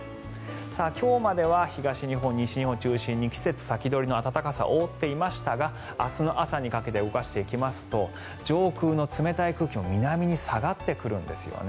今日までは東日本、西日本を中心に季節先取りの暖かさ覆っていましたが明日の朝にかけて動かしていきますと上空の冷たい空気が南に下がってくるんですね。